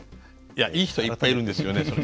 いやいい人いっぱいいるんですよね。